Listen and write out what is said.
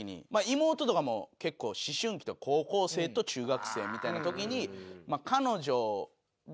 妹とかも結構思春期高校生と中学生みたいな時に。